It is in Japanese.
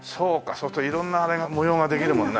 そうすると色んな模様ができるもんね。